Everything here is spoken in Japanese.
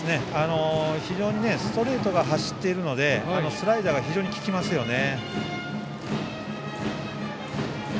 非常にストレートが走っているのでスライダーが非常に効きますよね。